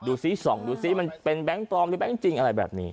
ดูซ่ากดูซ่ามันเป็นแบงค์ปรอมหรือแบงค์จริงเนี่ย